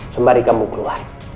sembari kamu keluar